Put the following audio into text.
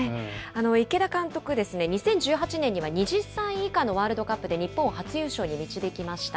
池田監督、２０１８年には２０歳以下のワールドカップで日本を初優勝に導きました。